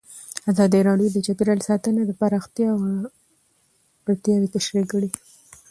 ازادي راډیو د چاپیریال ساتنه د پراختیا اړتیاوې تشریح کړي.